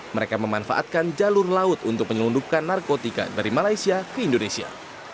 mereka memanfaatkan jalur laut untuk menyelundupkan narkotika dari malaysia ke indonesia